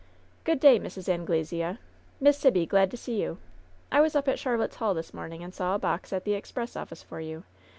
"Gk)od day, Mrs. Anglesea ! Miss Sibby, glad to see you ! I was up at Charlotte's Hall this morning, and saw a box at the express office for you.